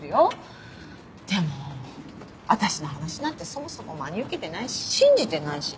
でも私の話なんてそもそも真に受けてないし信じてないし。